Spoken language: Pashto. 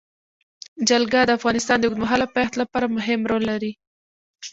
جلګه د افغانستان د اوږدمهاله پایښت لپاره مهم رول لري.